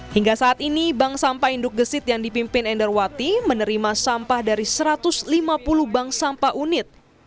hingga saat ini bank sampah induk gesit yang dipimpin enderwati menerima sampah dari satu ratus lima puluh bank sampah unit